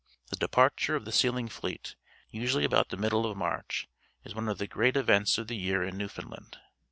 The departure of the sealing fleet, usually about the middle of March, is one of the great events of the year in Newfoundland.